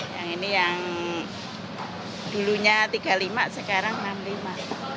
yang ini yang dulunya tiga lima sekarang enam lima